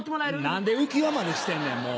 何で浮輪までしてんねんもう。